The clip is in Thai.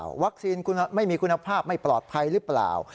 วัคซีนคุณไม่มีคุณภาพไม่ปลอดภัยหรือเปล่า